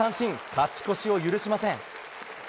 勝ち越しを許しません。